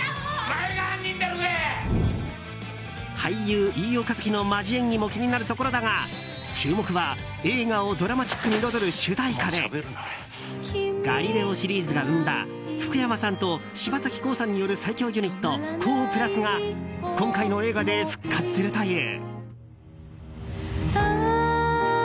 俳優・飯尾和樹のマジ演技も気になるところだが注目は映画をドラマチックに彩る主題歌で「ガリレオ」シリーズが生んだ福山さんと柴咲コウさんによる最強ユニットＫＯＨ＋が今回の映画で復活するという。